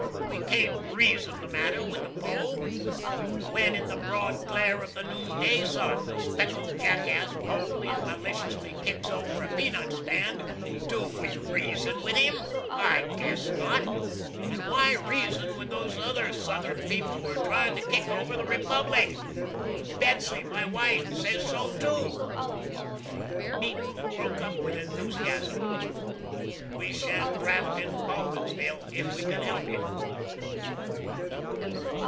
We can't "reason" the matter with the foe. When, in the broad glare of the noonday sun, a speckled jackass boldly and maliciously kicks over a peanut stand, do we "reason" with him? I guess not. And why "reason" with those other Southern people who are trying to kick over the Republic! Betsy, my wife, says so too. The meeting broke up with enthusiasm. We shan't draft in Baldinsville if we can help it.